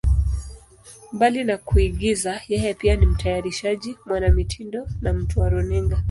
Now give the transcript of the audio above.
Mbali na kuigiza, yeye pia ni mtayarishaji, mwanamitindo na mtu wa runinga.